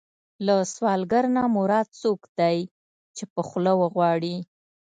له سوالګر نه مراد څوک دی چې په خوله وغواړي.